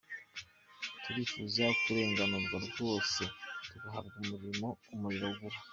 Turifuza kurenganurwa rwose tugahabwa umuriro vuba.